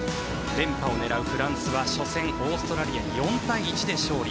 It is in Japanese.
連覇を狙うフランスは初戦、オーストラリアに４対１で勝利。